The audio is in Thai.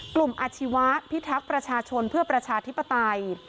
อาชีวะพิทักษ์ประชาชนเพื่อประชาธิปไตย